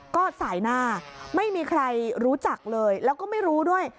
ก็สายหน้าไม่มีใครรู้จักเลยแล้วก็ไม่รู้ด้วย